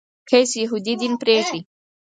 قیس یهودي دین پرېږدي.